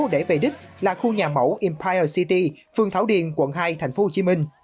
để về đích là khu nhà mẫu empier city phường thảo điền quận hai tp hcm